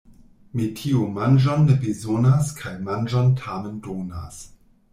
Metio manĝon ne bezonas kaj manĝon tamen donas.